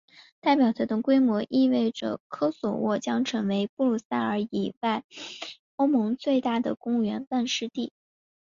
代表团的规模意味着科索沃将成为布鲁塞尔以外欧盟最大的公务员办事地。